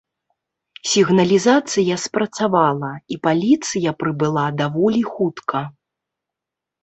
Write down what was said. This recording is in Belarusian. Сігналізацыя спрацавала, і паліцыя прыбыла даволі хутка.